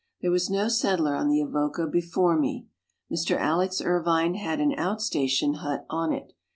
There was no settler on the Avoca before me. Mr. Alex. Irvine had an out station hut on it.